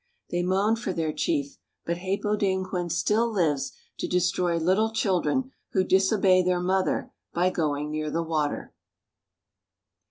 They moaned for their chief; but Hāpōdāmquen still lives to destroy little children who disobey their mother by going near the water.